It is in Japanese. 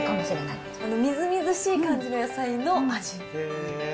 みずみずしい感じの野菜の味。